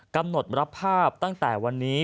กำหนดรับภาพตั้งแต่วันนี้